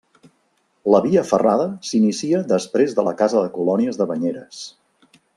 La Via Ferrada s'inicia després de la casa de colònies de Banyeres.